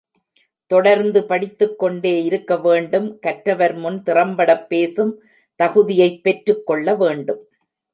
தொடர்ந்து படித்துக்கொண்டே இருக்க வேண்டும் கற்றவர்முன் திறம்படப் பேசும் தகுதியைப் பெற்றுக்கொள்ள வேண்டும்.